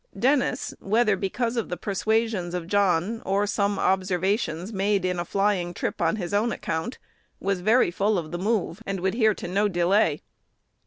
Dennis, whether because of the persuasions of John, or some observations made in a flying trip on his own account, was very full of the move, and would hear to no delay.